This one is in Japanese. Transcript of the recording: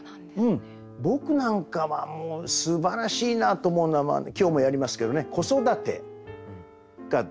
僕なんかはもうすばらしいなと思うのは今日もやりますけどね子育て台所俳句。